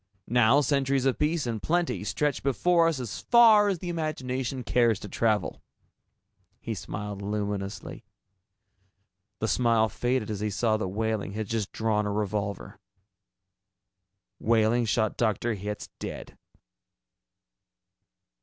Now centuries of peace and plenty stretch before us as far as the imagination cares to travel." He smiled luminously. The smile faded as he saw that Wehling had just drawn a revolver. Wehling shot Dr. Hitz dead.